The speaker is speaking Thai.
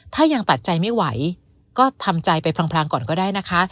ถ้ายังตัดใจไม่ไหวก็ทำใจไปพรางก่อนก็ได้นะคะ